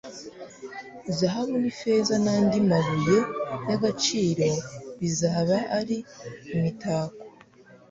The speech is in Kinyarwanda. Zahabu n'ifeza n'andi mabuye y'agaciro bizaba ari imitako